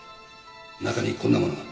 中にこんなものが。